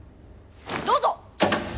どうぞ！